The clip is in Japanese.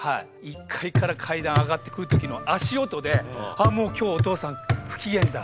１階から階段上がってくる時の足音で「あっもう今日お父さん不機嫌だ。